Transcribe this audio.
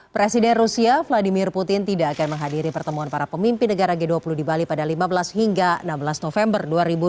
presiden rusia vladimir putin tidak akan menghadiri pertemuan para pemimpin negara g dua puluh di bali pada lima belas hingga enam belas november dua ribu dua puluh